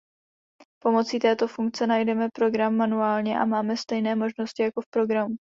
Pomocí této funkce najdeme program manuálně a máme stejné možnosti jako v programu.